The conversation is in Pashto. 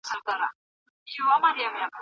مړۍ غوړي سوې د ښار د فقیرانو